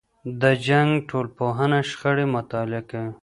د جنګ ټولنپوهنه شخړې مطالعه کوي.